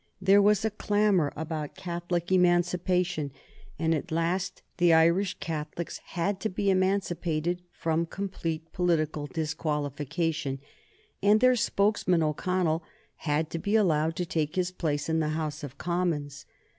There was a clamor about Catholic Emancipation, and at last the Irish Catholics had to be emancipated from complete political disqualification, and their spokesman O'Connell had been allowed to take his place in the House of Commons.